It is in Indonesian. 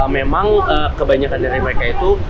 memang kebanyakan dari mereka itu